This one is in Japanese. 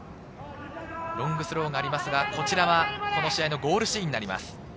ロングスローがありますが、こちらはこの試合のゴールシーンです。